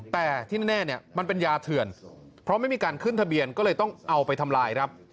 แต่ที่แน่เนี่ยมันเป็นยาเถื่อนเพราะไม่มีการขึ้นทะเบียนก็เลยต้องเอาไปทำลายครับ